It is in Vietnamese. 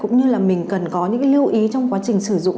mà mình cần có những cái lưu ý trong quá trình sử dụng